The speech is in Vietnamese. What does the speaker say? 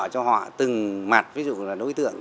cho họ từng mặt ví dụ là đối tượng